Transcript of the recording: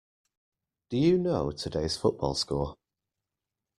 Do you know today's football score?